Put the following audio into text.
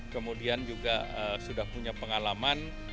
kemudian juga sudah punya pengalaman